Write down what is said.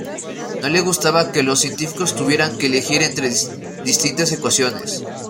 No le gustaba que los científicos tuvieran que elegir entre distintas ecuaciones.